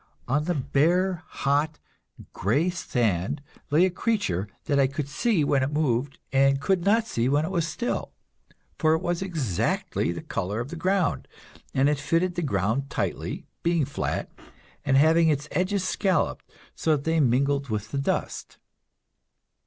On the bare, hot, gray sand lay a creature that I could see when it moved and could not see when it was still, for it was exactly the color of the ground, and fitted the ground tightly, being flat, and having its edges scalloped so that they mingled with the dust.